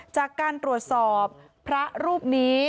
จากการตรวจสอบพระรูปนี้